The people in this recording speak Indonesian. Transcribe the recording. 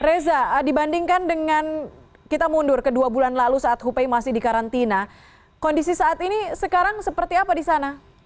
reza dibandingkan dengan kita mundur ke dua bulan lalu saat hupay masih di karantina kondisi saat ini sekarang seperti apa di sana